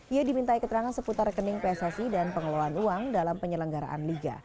ia dimintai keterangan seputar rekening pssi dan pengelolaan uang dalam penyelenggaraan liga